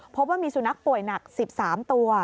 พบว่ามีสุนัขป่วยหนัก๑๓ตัว